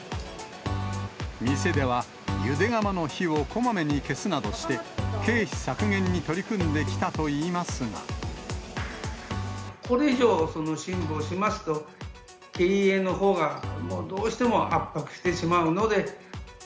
店では、ゆで釜の火をこまめに消すなどして、経費削減に取り組んできたとこれ以上、辛抱しますと、経営のほうがどうしても圧迫してしまうので。